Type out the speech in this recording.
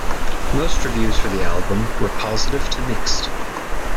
Most reviews for the album were positive to mixed.